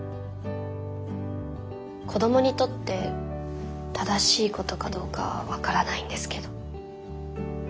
子どもにとって正しいことかどうかは分からないんですけど。